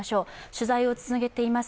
取材を続けています